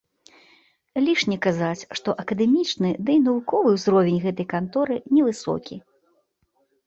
Лішне казаць, што акадэмічны ды навуковы ўзровень гэтай канторы невысокі.